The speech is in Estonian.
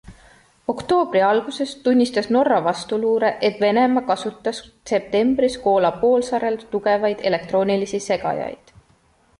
Oktoobri alguses tunnistas Norra vastuluure, et Venemaa kasutas septembris Koola poolsaarel tugevaid elektroonilisi segajaid.